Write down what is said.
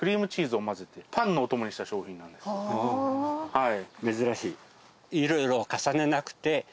はい。